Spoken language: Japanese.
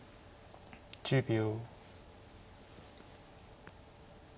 １０秒。